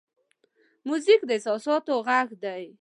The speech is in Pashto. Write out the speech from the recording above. موزیک د احساساتو غږ دی.